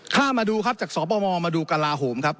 ถ้ามาดูครับจากสปมมาดูกระลาโหมครับ